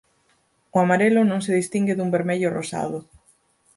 O amarelo non se distingue dun vermello rosado.